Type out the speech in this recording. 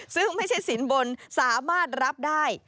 ซึ่งไม่ใช่สินบนสามารถรับได้